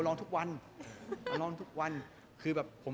ร้องบ่อยว่านักร้องอีกครับ